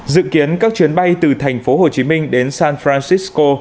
dự kiến các chuyến bay từ thành phố hồ chí minh đến san francisco